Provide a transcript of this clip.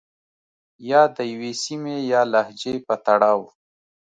يا د يوې سيمې يا لهجې په تړاو